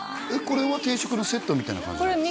これは定食のセットみたいな感じですか？